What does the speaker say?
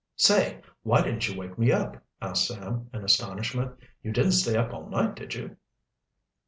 "Say, why didn't you wake me up?" asked Sam in astonishment. "You didn't stay up all night, did you?"